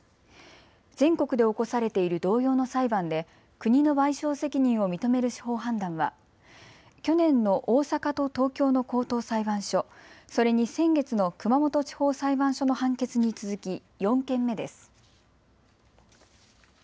全国で起こされている同様の裁判で国の賠償責任を認める司法判断は去年の大阪と東京の高等裁判所、それに先月の熊本地方裁判所の判決に続き４件目です。